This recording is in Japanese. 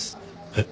えっ？